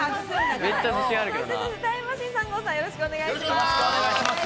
タイムマシーン３号さん、よろしくお願いします。